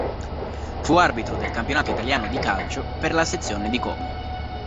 Fu arbitro del campionato italiano di calcio, per la sezione di Como.